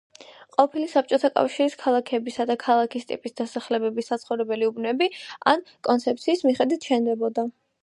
ყოფილი საბჭოთა კავშირის ქალაქებისა და ქალაქის ტიპის დასახლების საცხოვრებელი უბნები ამ კონცეფციის მიხედვით შენდებოდა.